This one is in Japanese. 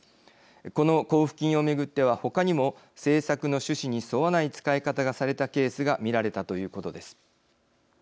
この交付金を巡っては他にも政策の趣旨に沿わない使い方がされたケースが見られたということです。